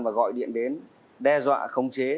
và gọi điện đến đe dọa khống chế